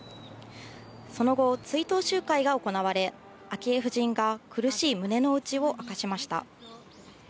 その後、追悼集会が行われ、昭恵夫人が苦しい胸の内を明かしました。